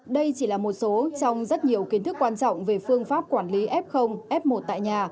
đây chỉ là một số trong rất nhiều kiến thức quan trọng về phương pháp quản lý f f một tại nhà